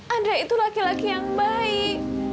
anda itu laki laki yang baik